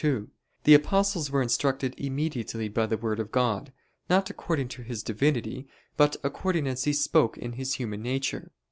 2: The apostles were instructed immediately by the Word of God, not according to His Divinity, but according as He spoke in His human nature.